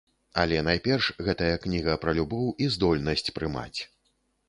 Але найперш гэтая кніга пра любоў і здольнасць прымаць.